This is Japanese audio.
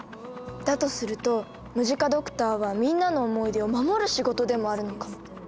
だとするとムジカドクターはみんなの思い出を守る仕事でもあるのか。